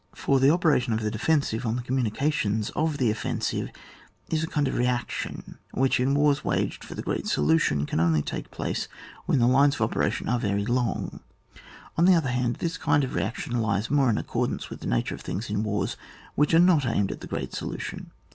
4. The operation of the defensive on the communications of the offensive, is a kind of reaction which in wars waged for the great solution, can only take place when the lines of operation are very long ; on the other hand, this kind of reaction lies more in aoeordanoe with the nature of things in wars which are not aimed at the great solution.